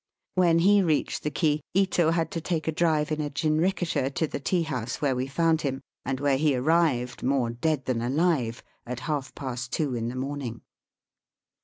When he reached the quay, Ito had to take a drive in a jinrikisha to the tea house where we found him, and where he arrived, more dead than alive, at half past two in the morning.